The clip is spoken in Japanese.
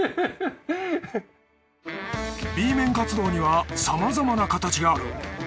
Ｂ面活動にはさまざまな形がある。